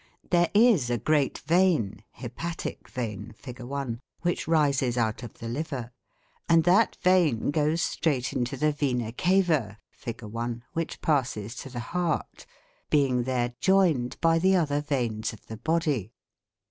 There is a great vein (hepatic vein Fig. 1) which rises out of the liver, and that vein goes straight into the 'vena cava' (Fig. 1) which passes to the heart, being there joined by the other veins of the body.